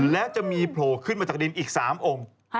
และจะมีโผล่ขึ้นมาจากดินอีก๓องค์